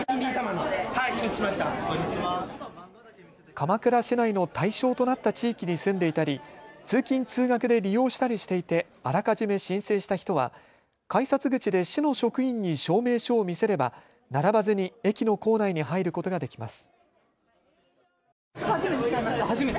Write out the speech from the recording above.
鎌倉市内の対象となった地域に住んでいたり通勤、通学で利用したりしていてあらかじめ申請した人は改札口で市の職員に証明書を見せれば並ばずに駅の構内に入ることができます。